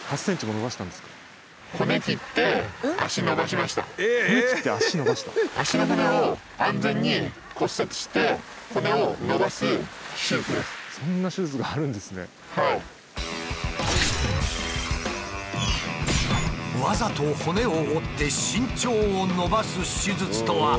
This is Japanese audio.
わざと骨を折って身長を伸ばす手術とは一体。